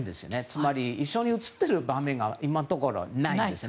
つまり一緒に写っている場面が今のところないんです。